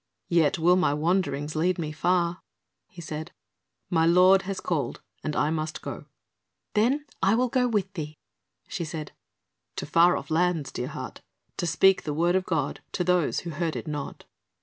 "Yet will my wanderings lead me far," he said, "my Lord has called and I must go." "Then will I go with thee," she said. "To far off lands, dear heart, to speak the Word of God to those who heard it not."